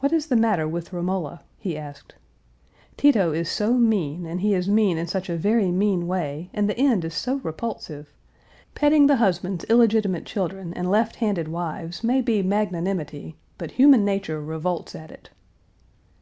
"What is the matter with Romola?" he asked. "Tito is so mean, and he is mean in such a very mean way, and the end is so repulsive. Petting the husband's illegitimate children and left handed wives may be magnanimity, but human nature revolts at it."